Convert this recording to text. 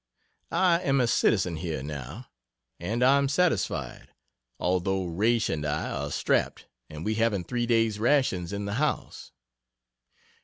I am a citizen here now, and I am satisfied although R. and I are strapped and we haven't three days' rations in the house.